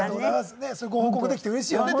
そういうご報告できてうれしいよね。